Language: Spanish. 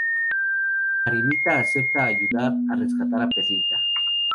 Arenita acepta ayudar a rescatar a Perlita.